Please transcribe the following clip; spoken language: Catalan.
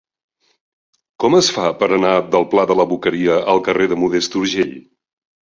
Com es fa per anar del pla de la Boqueria al carrer de Modest Urgell?